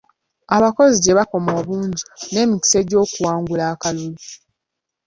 Abakozi gye bakoma obungi n'emikisa gy'okuwangula akalulu.